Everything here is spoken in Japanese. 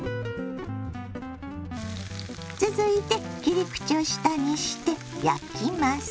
続いて切り口を下にして焼きます。